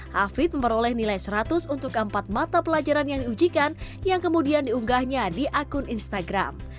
hafid memperoleh nilai seratus untuk empat mata pelajaran yang diujikan yang kemudian diunggahnya di akun instagram